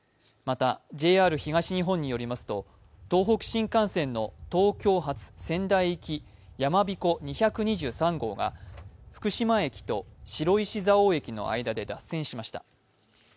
また、ＪＲ東日本によりますと東北新幹線の東京発の仙台行き「やまびこ２２３号」が福島駅と白石蔵王駅の間で脱線しました。